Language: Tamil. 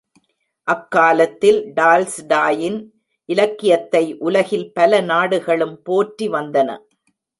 அக்காலத்தில் டால்ஸ்டாயின் இலக்கியத்தை உலகில் பல நாடுகளும் போற்றி வந்தன.